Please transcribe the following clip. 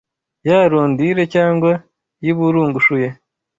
ya rondire cyangwa yiburungushuye